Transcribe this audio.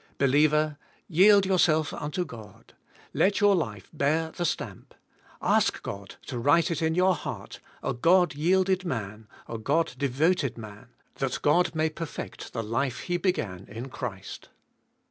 Believer, yield yourself unto God. Let your life bear the stamp; ask God to write it in your heart, a God yielded man, a God devoted man, that God may perfect the life He beg an in Christ.